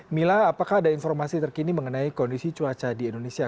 mila apakah ada informasi terkini mengenai kondisi cuaca di indonesia